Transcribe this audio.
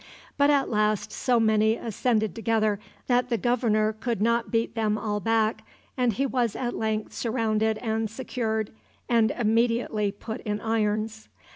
But at last so many ascended together that the governor could not beat them all back, and he was at length surrounded and secured, and immediately put in irons.